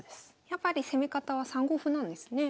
やっぱり攻め方は３五歩なんですね。